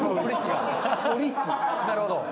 なるほど。